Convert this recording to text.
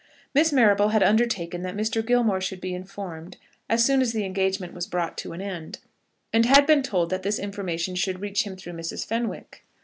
Miss Marrable had undertaken that Mr. Gilmore should be informed as soon as the engagement was brought to an end, and had been told that this information should reach him through Mrs. Fenwick.